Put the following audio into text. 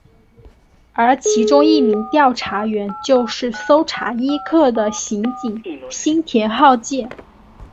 而其中一名调查员就是搜查一课的刑警新田浩介。